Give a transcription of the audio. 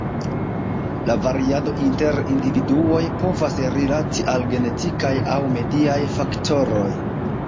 La variado inter individuoj povas rilati al genetikaj aŭ mediaj faktoroj.